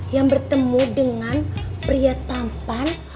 yang bertemu dengan pria tampan